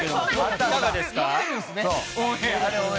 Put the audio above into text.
いかがですか。